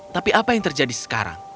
tapi apa yang terjadi sekarang